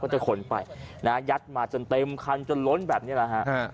จะขนไปนะฮะยัดมาจนเต็มคันจนล้นแบบนี้แหละฮะ